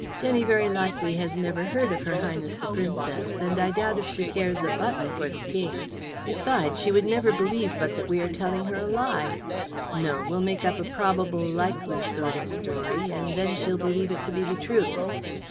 Jenny very likely has never heard of her Highness the Princess, and I doubt if she cares a button for the King. Besides, she would never believe but that we were telling her a lie. No. We'll make up a probable likely sort of story, and then she'll believe it to be the truth."